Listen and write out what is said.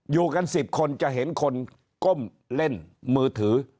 อยู่กัน๑๐คนจะเห็นคนก้มเล่นมือถือ